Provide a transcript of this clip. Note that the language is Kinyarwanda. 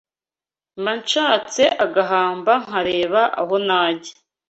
Mba nshatse agahamba Nkareba aho najya